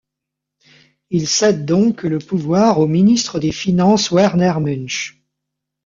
Il cède donc le pouvoir au ministre des Finances Werner Münch.